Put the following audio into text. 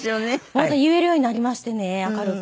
本当言えるようになりましてね明るく。